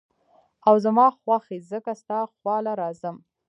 او زما خوښ ئې ځکه ستا خواله راځم ـ